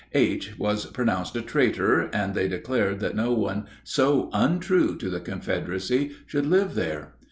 H. was pronounced a traitor, and they declared that no one so untrue to the Confederacy should live there.